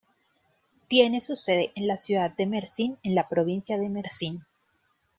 Tiene su sede en la ciudad de Mersin, en la provincia de Mersin.